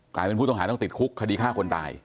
ผู้ต้องหาต้องติดคุกคดีฆ่าคนตาย